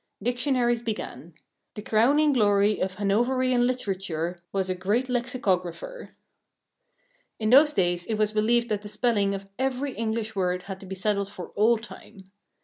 Dictionaries began. The crowning glory of Hanoverian literature was a Great Lexicographer. In those days it was believed that the spelling of every English word had been settled for all time.